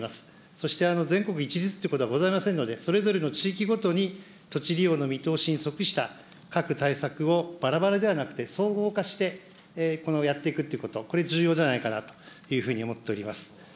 そして全国一律ということはございませんので、それぞれの地域ごとに土地利用の見通しに則した各対策をばらばらではなくて、総合化して、やっていくということ、これ、重要じゃないかなというふうに思っております。